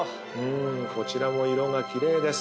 こちらも色が奇麗です。